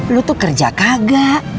lo tuh kerja kagak